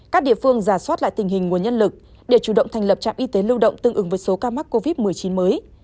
các địa phương giả soát lại tình hình nguồn nhân lực để chủ động thành lập trạm y tế lưu động tương ứng với số ca mắc covid một mươi chín mới